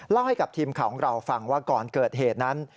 ให้กับทีมข่าวของเราฟังว่าก่อนเกิดเหตุนั้น